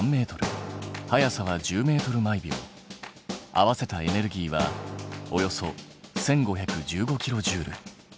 合わせたエネルギーはおよそ１，５１５キロジュール。